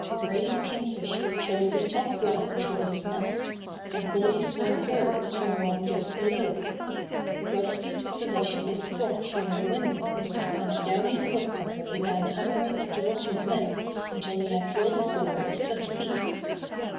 Gray the Kingfisher chose the top branch for his nest, and Goldy swung hers from one just below. Rusty took possession of a crotch 129 130 Bobby Gray Squirrel's Adventures near the window, and Downy the Woodpecker began hammering at the rotten limb until he had drilled a hole a foot deep.